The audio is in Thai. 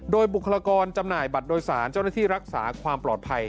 โดยบุคลากรจำหน่ายบัตรโดยสารเจ้าหน้าที่รักษาความปลอดภัย